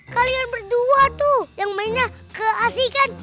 kalian berdua tuh yang mainnya keasikan